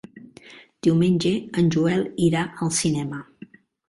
Diumenge en Joel irà al cinema.